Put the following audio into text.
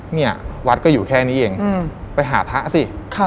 เนี่ยวัดก็อยู่แค่นี้เองไปหาพระสิ